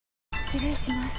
失礼します。